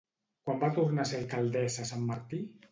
Quan va tornar a ser alcaldessa Sanmartí?